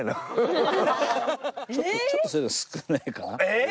ちょっとそれでも少ないかな。